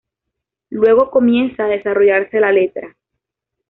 Luego comienza a desarrollarse la letra.